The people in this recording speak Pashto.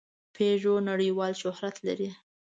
پيژو نړۍوال شهرت لري.